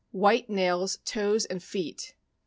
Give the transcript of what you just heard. White nails, toes, and feet. .